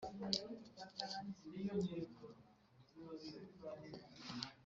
Rusange mu gihe cy iminsi cumi n itanu